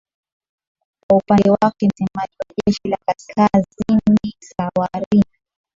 kwa upande wake msemaji wa jeshi la kaskazini sawarimi